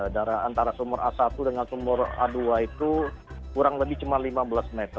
darah antara sumur a satu dengan sumur a dua itu kurang lebih cuma lima belas meter